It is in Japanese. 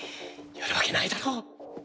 やるわけないだろ。